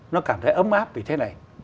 nó cảm thấy ấm áp vì thế này